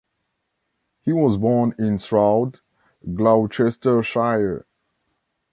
He was born in Stroud, Gloucestershire.